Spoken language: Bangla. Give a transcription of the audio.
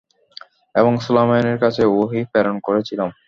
এবং সুলায়মানের কাছে ওহী প্রেরণ করেছিলাম।